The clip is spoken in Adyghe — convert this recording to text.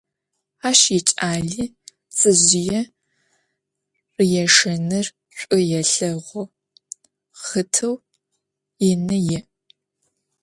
Aş yiç'ali ptsezjıê rıêşşenır ş'u yêlheğu, xhıtıu yini yi'.